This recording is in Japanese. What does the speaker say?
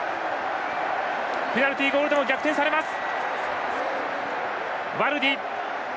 ペナルティーゴールでも逆転されます。